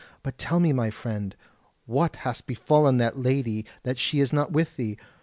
But tell me, my friend, what has befallen that lady that she is not with thee?